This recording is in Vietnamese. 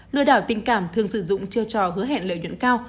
lừa đảo tình cảm thường sử dụng chiêu trò hứa hẹn lợi nhuận cao